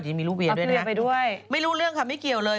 ที่มีลูกเวียด้วยนะไปด้วยไม่รู้เรื่องค่ะไม่เกี่ยวเลย